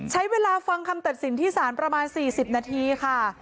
ใช้เวลาฟังคำตัดสินที่ศาลประมาณ๔๐นาทีค่ะ